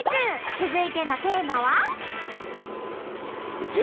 続いてのテーマは。